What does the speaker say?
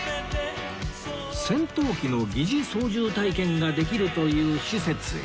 戦闘機の疑似操縦体験ができるという施設へ